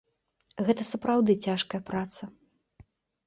Гэта сапраўды цяжкая праца.